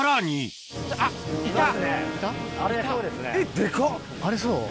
あれそう？